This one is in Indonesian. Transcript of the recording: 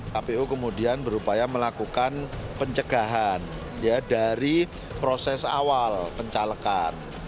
kpu kemudian berupaya melakukan pencegahan dari proses awal pencalekan